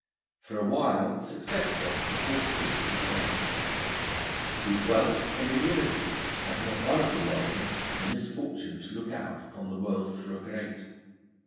For a while success dogged the horse hoofs of the gang; with wealth came immunity, and not one of the warriors had the misfortune to look out upon the world through a grate.